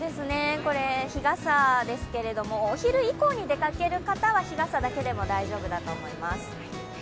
日傘ですけれどもお昼以降に出かける方は日傘だけでも大丈夫だと思います。